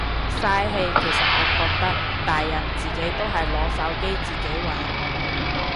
嘥氣其實我覺得，大人自己都係攞手機自己玩。